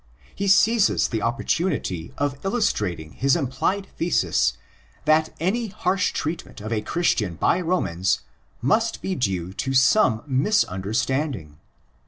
He seizes the opportunity of illustrating his implied thesis that any harsh treatment of a Christian by Romans must be due to some misunder standing.